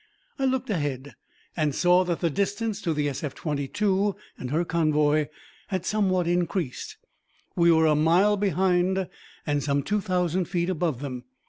I looked ahead and saw that the distance to the SF 22 and her convoy had somewhat increased. We were a mile behind and some two thousand feet above them.